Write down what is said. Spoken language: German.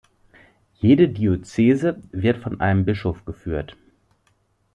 Jede Diözese wird von einem Bischof geführt.